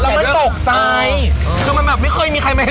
แล้วเราต้องทำท่านี่เลยเหรอ